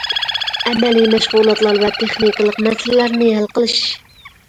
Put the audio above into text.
ئەمەلىي مەشغۇلاتلار ۋە تېخنىكىلىق مەسىلىلەرنى ھەل قىلىش.